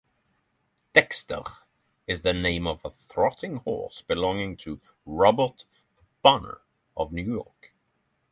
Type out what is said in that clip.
Dexter is named for a trotting horse belonging to Robert Bonner of New York.